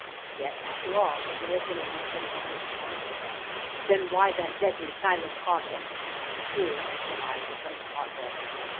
"Yet, after all, it may have been only some homeless wanderer." "Then why that deadly, silent caution?" "True!" said I, becoming thoughtful.